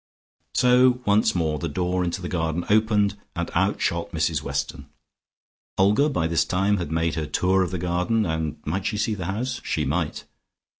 So once more the door into the garden opened, and out shot Mrs Weston. Olga by this time had made her tour of the garden, and might she see the house? She might.